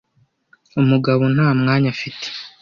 Umugabo nta mwanya afite.